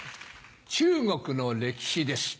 中国の歴史です。